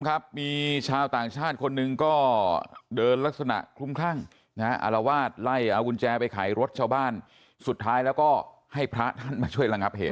ครับมีชาวต่างชาติคนหนึ่งก็เดินลักษณะคลุ้มคลั่งนะฮะอารวาสไล่เอากุญแจไปขายรถชาวบ้านสุดท้ายแล้วก็ให้พระท่านมาช่วยระงับเหตุ